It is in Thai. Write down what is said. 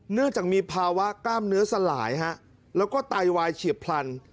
เนื่องจากมีภาวะกล้ามเนื้อสลายแล้วก็ไตวายเฉียบพลัน